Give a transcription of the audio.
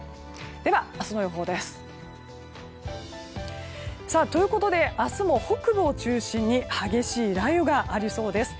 では、明日の予報です。ということで明日も北部を中心に激しい雷雨がありそうです。